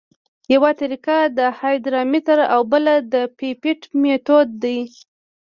یوه طریقه د هایدرامتر او بله د پیپیټ میتود دی